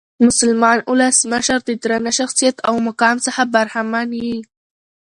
مسلمان اولس مشر د درانه شخصیت او مقام څخه برخمن يي.